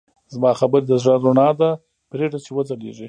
زما خبرې د زړه رڼا ده، پرېږده چې وځلېږي.